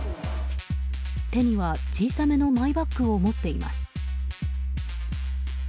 手には小さめのマイバッグを持っています。